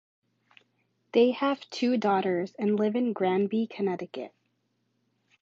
They have two daughters and live in Granby, Connecticut.